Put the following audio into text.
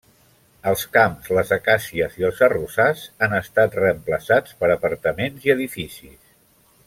Els camps, les acàcies i els arrossars han estat reemplaçats per apartaments i edificis.